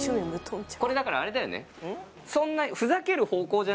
これだからあれだよねうん？